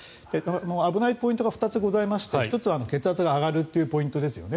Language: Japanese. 危ないポイントが２つございまして１つは血圧が上がるポイントですよね。